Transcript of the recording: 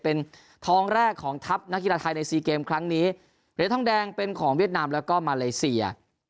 เป็นทองแรกของทัพนักกีฬาไทยในซีเกมครั้งนี้เหรียญทองแดงเป็นของเวียดนามแล้วก็มาเลเซีย